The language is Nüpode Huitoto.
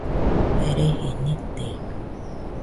Ereji nite